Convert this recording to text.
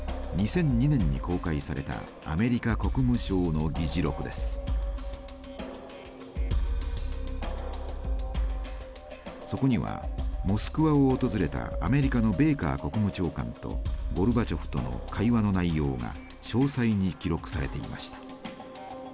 ２００２年に公開されたそこにはモスクワを訪れたアメリカのベーカー国務長官とゴルバチョフとの会話の内容が詳細に記録されていました。